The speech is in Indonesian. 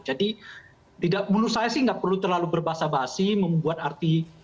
jadi menurut saya sih nggak perlu terlalu berbahasa basi membuat arti